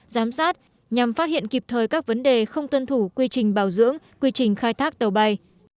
giám sát nhằm phát hiện kịp thời các vấn đề không tuân thủ quy trình bảo dưỡng quy trình khai thác tàu bay